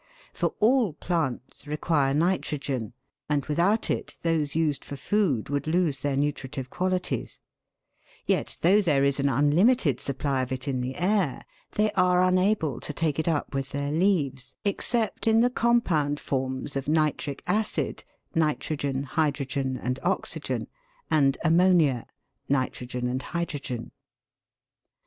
For all plants require nitrogen (and without it those used for food would lose their nutritive qualities): yet, though there is an unlimited supply of it in the air, they are unable to take it up with their leaves, except in the compound forms of nitric acid (nitrogen, hydrogen, and oxygen) and ammonia (nitrogen and hydrogen).